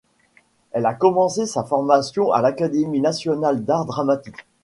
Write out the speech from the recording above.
Elle a commencé sa formation à l'Académie nationale d'art dramatique.